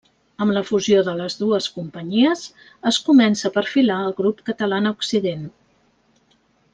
Amb la fusió de les dues companyies es comença a perfilar el Grup Catalana Occident.